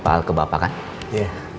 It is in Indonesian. pak al ke bapak kan